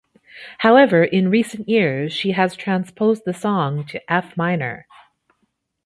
However, in recent years, she has transposed the song to F minor.